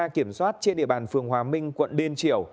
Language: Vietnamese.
các kiểm soát trên địa bàn phường hòa minh quận điên triểu